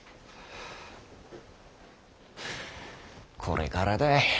これからだい。